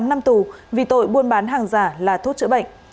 một mươi tám năm tù vì tội buôn bán hàng giả là thuốc chữa bệnh